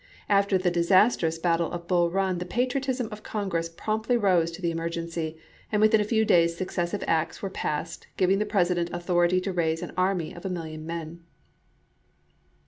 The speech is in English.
After the disastrous battle of Bull Run the patriotism of Congress promptly rose to the emergency, and within a few days successive acts juiy 22, and were passed giving the President authority to raise i86i. ' an army of a million men.